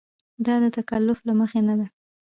دا د تکلف له مخې نه ده.